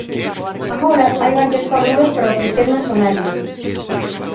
Agora hai varias fórmulas para ofrecernos o mesmo.